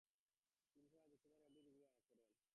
তিনি সেখানে দ্বিতীয়বার এম.ডি. ডিগ্রি লাভ করেন।